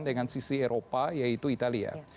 dengan sisi eropa yaitu italia